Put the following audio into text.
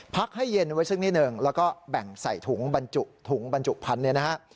พักให้เย็นไว้สักนิดหนึ่งแล้วก็แบ่งใส่ถุงบรรจุถุงบรรจุพันธุ์เนี่ยนะฮะ